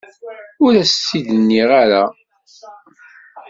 Ur as-t-id nniɣ ara.